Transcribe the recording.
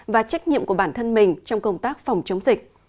và trách nhiệm của bản thân mình trong công tác phòng chống dịch